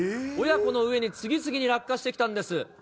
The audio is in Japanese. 親子の上に次々に落下してきたんです。